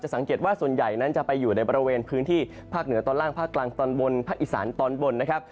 สังเกตว่าส่วนใหญ่นั้นจะไปอยู่ในบริเวณพื้นที่ภาคเหนือตอนล่างภาคกลางตอนบนภาคอีสานตอนบนนะครับ